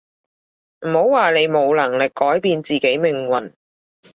唔好話你冇能力改變自己命運